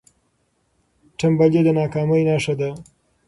ټنبلي د ناکامۍ نښه ده.